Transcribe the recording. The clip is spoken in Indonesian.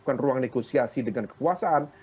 bukan ruang negosiasi dengan kekuasaan